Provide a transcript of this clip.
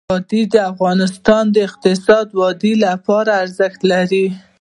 وادي د افغانستان د اقتصادي ودې لپاره ارزښت لري.